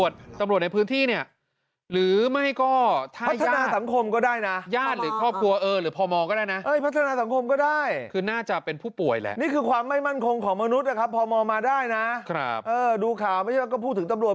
ดูข่าวไม่ใช่เปล่าก็พูดถึงตำรวจ